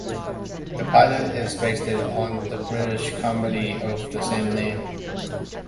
The pilot is based on the British comedy of the same name.